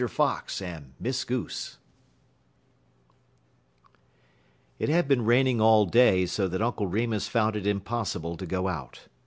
FOX AND MISS GOOSE It had been raining all day so that Uncle Remus found it impossible to go out.